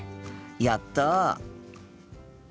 やった！